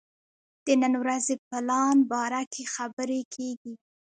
د نن ورځې پلان باره کې خبرې کېږي.